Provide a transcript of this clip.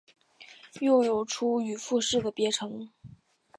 又有出羽富士的别称。